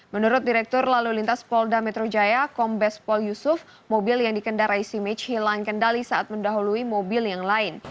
menurut direktur lalu lintas polda metro jaya kombes pol yusuf mobil yang dikendarai simic hilang kendali saat mendahului mobil yang lain